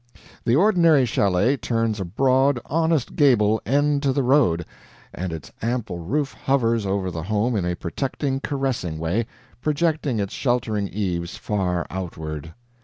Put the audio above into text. The ordinary chalet turns a broad, honest gable end to the road, and its ample roof hovers over the home in a protecting, caressing way, projecting its sheltering eaves far outward.